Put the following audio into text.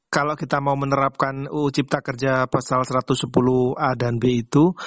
kalau kita mau menerapkan uu cipta kerja pasal satu ratus sepuluh a dan b itu